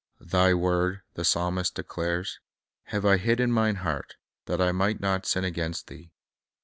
"Th\ word," the psalmist declares, "have I hid in mine heart, that I might not sin against Thee."